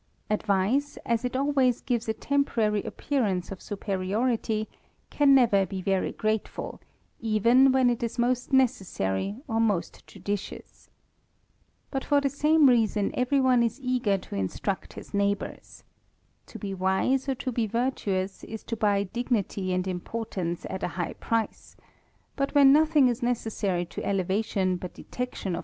Advice, as it always gives a temporary appearance of superiority, can never be very grateful, even when it is most _n^essary or most judicious. But for the same reason every pne is eager to in^.tcucl his neighbours.. To be wise or to be virtuous, is to buy dignity and importance at a high price ; bat wUea nothing is necessary to elevation but detection ol THE RAMBLER.